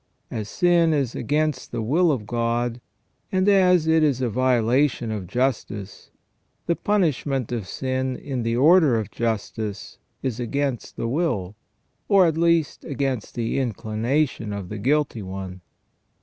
As sin is against the will of God, and as it is a violation of justice, the punishment of sin in the order of justice is against the will, or at least against the incUnation of the guilty one.